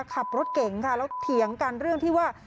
ขับรถเก่งค่ะแล้วเถียงกันเรื่องที่ว่า